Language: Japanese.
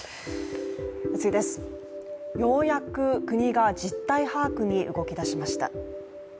ようやく、国が実態把握に動きだしました。